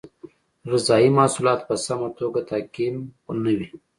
غذایي محصولات په سمه توګه تعقیم نه وي.